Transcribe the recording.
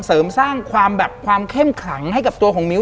เสริมสร้างความแบบความเข้มขลังให้กับตัวของมิ้ว